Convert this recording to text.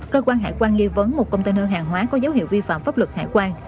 cơ quan hải quan nghi vấn một container hàng hóa có dấu hiệu vi phạm pháp luật hải quan